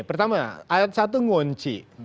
pertama ayat satu ngunci